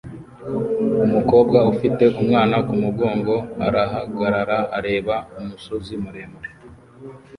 Umukobwa ufite umwana kumugongo arahagarara areba umusozi muremure